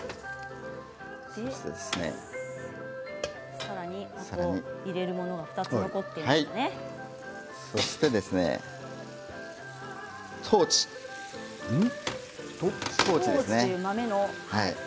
さらに入れるものが２つ残っているんですよね。